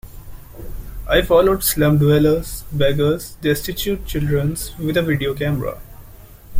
I followed slum dwellers, beggars, destitute children with a video camera.